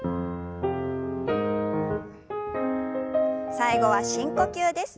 最後は深呼吸です。